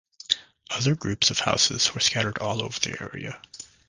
Other groups of houses were scattered all over the area.